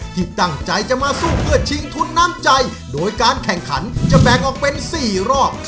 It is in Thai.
ที่ตั้งใจจะมาสู้เพื่อชิงทุนน้ำใจโดยการแข่งขันจะแบ่งออกเป็น๔รอบ